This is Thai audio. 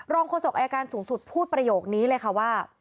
โฆษกอายการสูงสุดพูดประโยคนี้เลยค่ะว่า